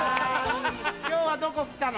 今日はどこ来たの？